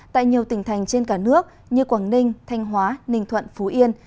tại nhiều tỉnh thành trên cả nước như quảng ninh thanh hóa ninh thuận phú yên